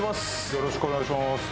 よろしくお願いします。